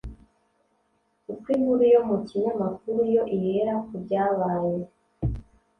uko inkuru yo mu kinyamakuru yo ihera ku byabaye